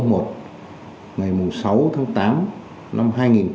ngày sáu tháng tám năm hai nghìn một mươi chín